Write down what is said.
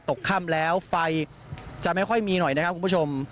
ตกค่ำแล้วไฟจะไม่ค่อยมีหน่อยนะครับคุณผู้ชม